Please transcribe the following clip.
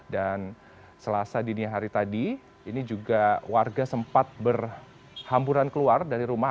dan selasa dini hari tadi ini juga warga sempat berhamburan keluar dari rumah